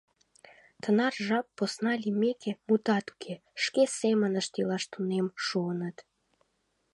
Тынар жап посна лиймеке, мутат уке, шке семынышт илаш тунем шуыныт.